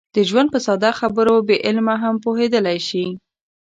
د ژوند په ساده خبرو بې علمه هم پوهېدلی شي.